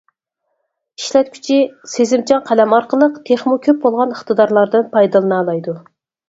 ئىشلەتكۈچى سېزىمچان قەلەم ئارقىلىق تېخىمۇ كۆپ بولغان ئىقتىدارلاردىن پايدىلىنالايدۇ.